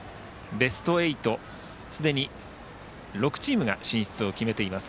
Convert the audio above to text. ベスト８、すでに６チームが進出を決めています。